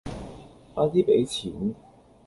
快啲俾錢